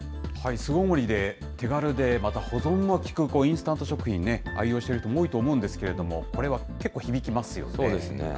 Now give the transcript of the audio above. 巣ごもりで、手軽でまた保存も効くインスタント食品、愛用している人も多いと思うんですけれども、これは結構響きますよね。